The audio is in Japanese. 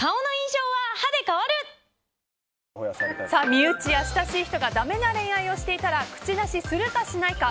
身内や親しい人がダメな恋愛をしていたら口出しするかしないか。